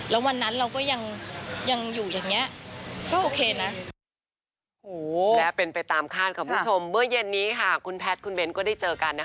แล้ววันนั้นเราก็ยังอยู่อย่างนี้ก็โอเคนะ